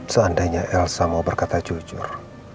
seandainya elsa mau berkata jujur